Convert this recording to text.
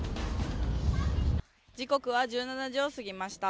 時刻は１７時を過ぎました。